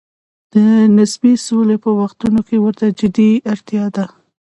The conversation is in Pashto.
د نسبي سولې په وختونو کې ورته جدي اړتیا ده.